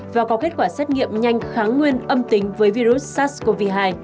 và có kết quả xét nghiệm nhanh kháng nguyên âm tính với virus sars cov hai